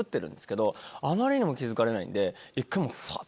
あまりにも気付かれないんで一回ふぁっ